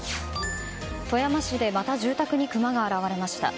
富山市でまた住宅にクマが現れました。